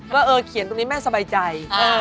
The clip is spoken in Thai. ก็เออเขียนตรงนี้แม่สบายใจ